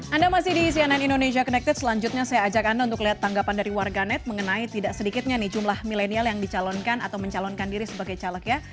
anda masih di cnn indonesia connected selanjutnya saya ajak anda untuk lihat tanggapan dari warganet mengenai tidak sedikitnya nih jumlah milenial yang dicalonkan atau mencalonkan diri sebagai caleg ya